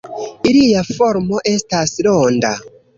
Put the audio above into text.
Ilia formo estas ronda.